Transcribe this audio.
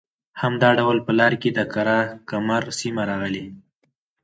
همدا ډول په لاره کې د قره کمر سیمه راغلې